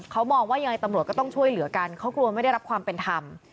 เขามองว่ายังไงตำรวจก็ต้องช่วยเหลือกันเขากลัวไม่ได้รับความเป็นธรรม